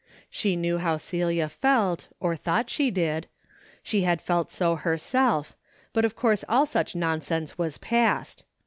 She knew how Celia felt, or thought she did. She 350 A DAILY RATE. had felt so herself, but of course all such non sense was passed.